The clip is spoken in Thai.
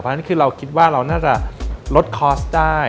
เพราะฉะนั้นคือเราคิดว่าเราน่าจะลดคอร์สได้